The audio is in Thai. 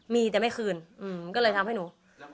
มีแต่ไม่คืนก็เลยทำให้หนู